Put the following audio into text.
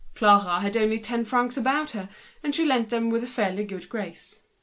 Clara had only ten francs about her, which she lent him with a fairly good grace.